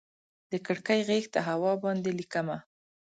د کړکۍ غیږ ته هوا باندې ليکمه